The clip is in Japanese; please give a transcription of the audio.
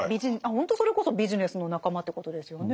ほんとそれこそビジネスの仲間ってことですよね。